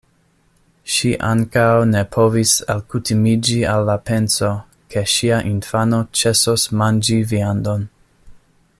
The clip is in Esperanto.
Ŝi ankaŭ ne povis alkutimiĝi al la penso, ke ŝia infano ĉesos manĝi viandon.